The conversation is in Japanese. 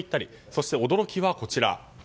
そして驚きはこちら。